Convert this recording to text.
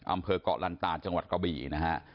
อำเภอกเกาะลันตาจังหวัดกระบี่นะฮะ